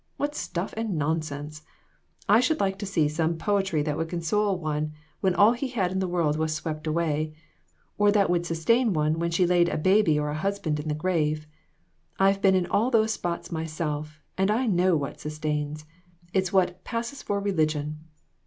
What stuff and nonsense ! I should like to see some poetry that would console one when all he had in the world was swept away, or that would sustain one when she laid a baby or a hus band in the grave. I've been in all those spots myself, and I know what sustains. It's what 'passes for religion.'